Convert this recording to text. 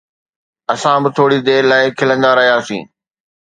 اسان به ٿوري دير لاءِ کلندا رهياسين